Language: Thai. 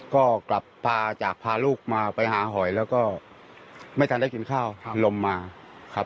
ก็กลับพาจากพาลูกมาไปหาหอยแล้วก็ไม่ทันได้กินข้าวลมมาครับ